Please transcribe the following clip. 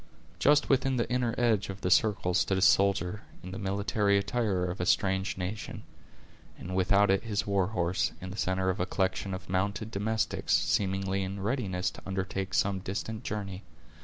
Just within the inner edge of the circle stood a soldier, in the military attire of a strange nation; and without it was his warhorse, in the center of a collection of mounted domestics, seemingly in readiness to undertake some distant journey.